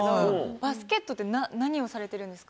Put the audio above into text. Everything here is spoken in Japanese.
バスケットって、何をされてるんですか？